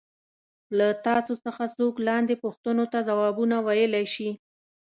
له تاسو څخه څوک لاندې پوښتنو ته ځوابونه ویلای شي.